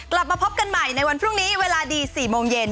กลับมาพบกันใหม่ในวันพรุ่งนี้เวลาดี๔โมงเย็น